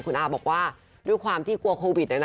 คุณอาบอกว่าด้วยความที่กลัวโควิด